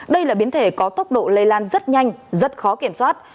đây là biến thể có tốc độ lây lan rất nhanh rất khó kiểm soát